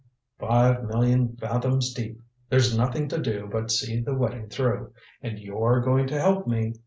"Five million fathoms deep. There's nothing to do but see the wedding through. And you're going to help me.